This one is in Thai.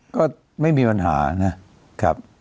ก็ไม่มีปัญหานะครับ